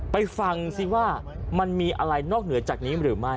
ไปฟังซิว่ามันมีอะไรนอกเหนือจากนี้หรือไม่